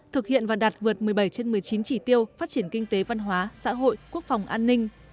thực hiện và đạt vượt một mươi bảy trên một mươi chín chỉ tiêu phát triển kinh tế văn hóa xã hội quốc phòng an ninh